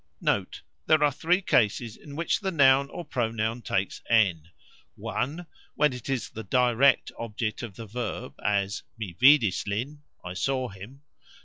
NOTE. There are three cases in which the noun or pronoun takes "n". (i.). When it is the "direct object" of the verb, as "Mi vidis lin", I saw him.